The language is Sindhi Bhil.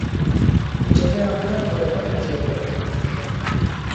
جڏهيݩ آݩبڙيٚن ٿوريٚݩ وڏيݩ ٿئيٚݩ ديٚݩ۔